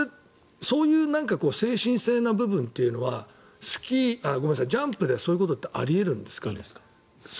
そういう精神性の部分というのはジャンプでそういうことってあり得るんですかね。